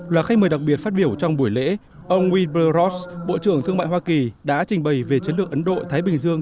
là khách mời đặc biệt phát biểu trong buổi lễ ông wil burross bộ trưởng thương mại hoa kỳ đã trình bày về chiến lược ấn độ thái bình dương